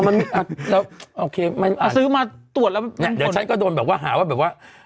มันแล้วโอเคมันซื้อมาตรวจแล้วเนี่ยเดี๋ยวฉันก็โดนแบบว่าหาว่าแบบว่า